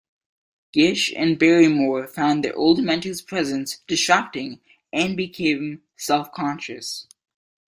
Gish and Barrymore found their old mentor's presence distracting and became self-conscious.